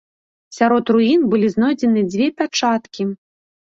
Сярод руін былі знойдзены дзве пячаткі.